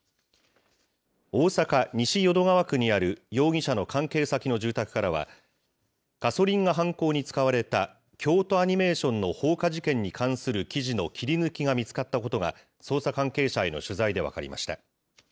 大阪・西淀川区にある容疑者の関係先の住宅からは、ガソリンが犯行に使われた京都アニメーションの放火事件に関する記事の切り抜きが見つかったことが、捜査関係者への取材で分かりました。